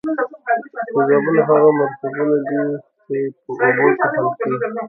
تیزابونه هغه مرکبونه دي چې په اوبو کې حل کیږي.